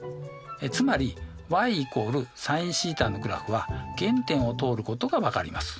つまりｙ＝ｓｉｎθのグラフは原点を通ることが分かります。